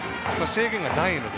制限がないので。